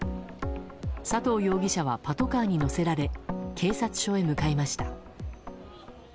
佐藤容疑者はパトカーに乗せられ警察署へ向かいました。